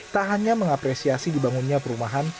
tak hanya mengapresiasi dibangunnya perumahan